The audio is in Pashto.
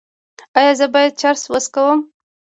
ایا زه باید چرس وڅکوم؟